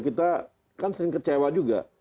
kita kan sering kecewa juga